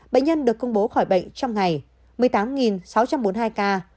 bệnh nhân được công bố khỏi bệnh trong ngày một mươi tám sáu trăm bốn mươi hai ca